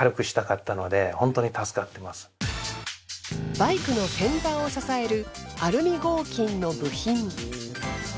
バイクのフェンダーを支えるアルミ合金の部品。